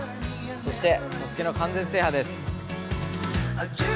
そして「ＳＡＳＵＫＥ」の完全制覇です。